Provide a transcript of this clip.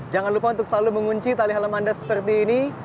jangan lupa untuk selalu mengunci tali helm anda seperti ini